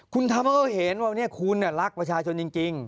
คุณทำให้เขาเห็นว่าวันนี้คุณรักประชาชนจริง